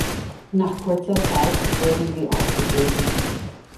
Nach kurzer Zeit wurden sie aufgegeben.